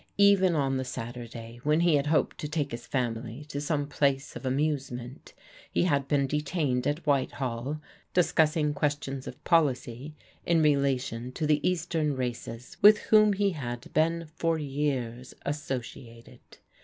Even on the Saturday, when had hoped to take his family to some place of amv ment, he had been detained at Whitehall, discussing qv tions of policy in relation to the Eastern races with wh he had been for years associated.